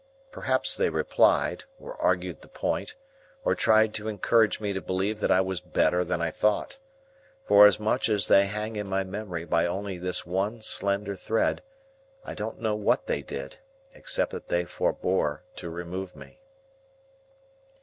Perhaps they replied, or argued the point, or tried to encourage me to believe that I was better than I thought. Forasmuch as they hang in my memory by only this one slender thread, I don't know what they did, except that they forbore to remove me.